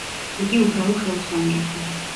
იგი უბრალო ხელოსანი იყო.